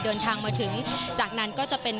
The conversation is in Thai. เดินทางมาถึงจากนั้นก็จะเป็น